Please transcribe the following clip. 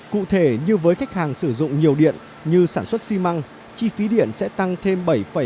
cụ thể như với khách hàng sử dụng nhiều điện như sản xuất xi măng chi phí điện sẽ tăng thêm bảy một mươi chín